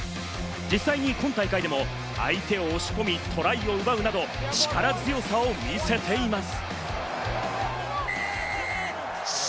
実際に今大会でも、相手を押し込み、トライを奪うなど、力強さを見せています。